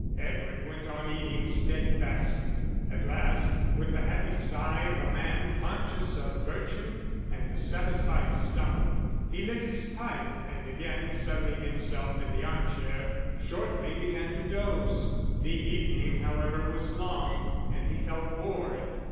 Edward went on eating steadfastly. At last, with the happy sigh of the man conscious of virtue and a satisfied stomach, he lit his pipe and again settling himself in the armchair, shortly began to doze. The evening, however, was long, and he felt bored.